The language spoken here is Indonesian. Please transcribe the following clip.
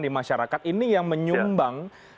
di masyarakat ini yang menyumbang